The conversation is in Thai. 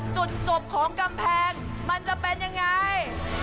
จุดจบของกำแพงมันจะเป็นยังไง